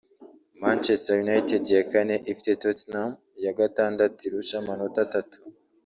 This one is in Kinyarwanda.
Manchester United ya kane ifite Tottenham (ya gatandatu irusha amanota atatu)